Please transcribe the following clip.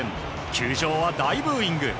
球場は大ブーイング。